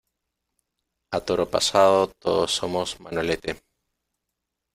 A toro pasado todos somos Manolete.